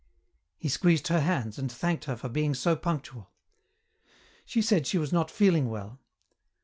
He squeezed her hands and thanked her for being so punctual. She said she was not feeling well.